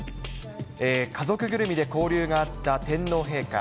家族ぐるみで交流があった天皇陛下。